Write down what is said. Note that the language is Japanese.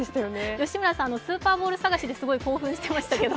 吉村さん、スーパーボール探しすごい興奮してましたけど。